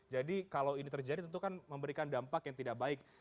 jadi kalau ini terjadi tentu kan memberikan dampak yang tidak baik